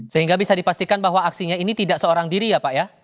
sehingga bisa dipastikan bahwa aksinya ini tidak seorang diri ya pak ya